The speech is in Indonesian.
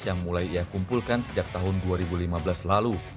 yang mulai ia kumpulkan sejak tahun dua ribu lima belas lalu